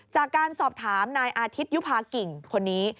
จากการสอบถามนายอาทิตยุภากิ่งคนนี้